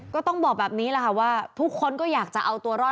ก็ต้องบอกแบบนี้แหละค่ะว่าทุกคนก็อยากจะเอาตัวรอด